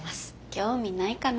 興味ないかな？